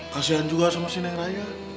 kasian juga sama si neng raya